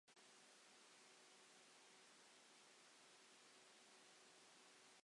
Feddyliais i erioed fod y fath beth yn bosibl.